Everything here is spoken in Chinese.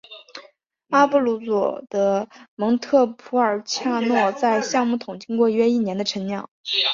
阿布鲁佐的蒙特普尔恰诺在橡木桶经过约一年的陈酿。